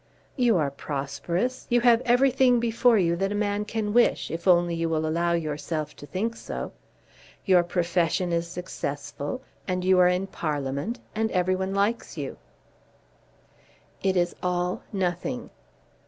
"You are prosperous. You have everything before you that a man can wish, if only you will allow yourself to think so. Your profession is successful, and you are in Parliament, and everyone likes you." "It is all nothing."